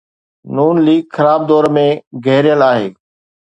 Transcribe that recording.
نون ليگ خراب دور ۾ گهيريل آهي.